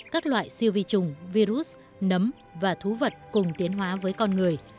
các loại siêu vi trùng virus nấm và thú vật cùng tiến hóa với con người